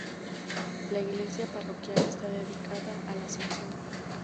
La iglesia parroquial está dedicada a la Asunción.